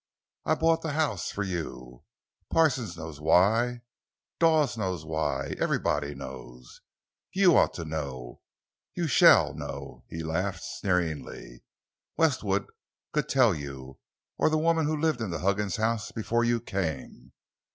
I bought the house for you. Parsons knows why—Dawes knows why—everybody knows. You ought to know—you shall know." He laughed, sneeringly. "Westwood could tell you, or the woman who lived in the Huggins house before you came.